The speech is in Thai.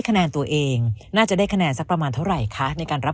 คะแนนตัวเองน่าจะได้คะแนนสักประมาณเท่าไหร่คะในการรับ